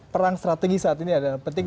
perang strategi saat ini adalah penting